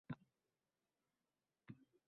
Sababini sen hech qachon topa olmaysan.